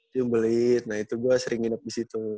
diumbelin nah itu gue sering nginep di situ